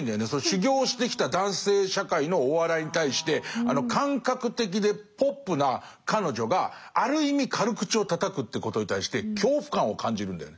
修業してきた男性社会のお笑いに対してあの感覚的でポップな彼女がある意味軽口をたたくってことに対して恐怖感を感じるんだよね。